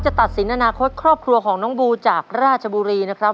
ตัดสินอนาคตครอบครัวของน้องบูจากราชบุรีนะครับ